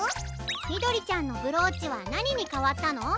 みどりちゃんのブローチはなににかわったの？